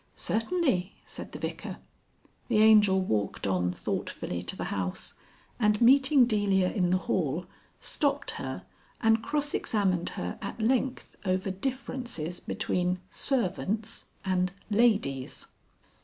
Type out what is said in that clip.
"Certainly," said the Vicar. The Angel walked on thoughtfully to the house, and meeting Delia in the hall stopped her and cross examined her at length over differences between Servants and Ladies.